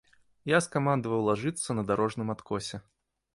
Я скамандаваў лажыцца на дарожным адкосе.